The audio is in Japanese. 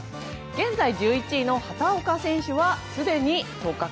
現在、１１位の畑岡選手はすでに当確。